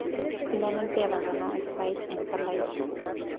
Finalmente, abandonó ese país en Calais.